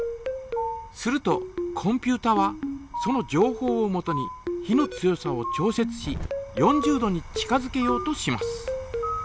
するとコンピュータはそのじょうほうをもとに火の強さを調節し４０度に近づけようとします。